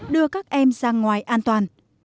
đưa các em sang ngoài an toàn